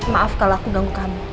maaf kalau aku ganggu kami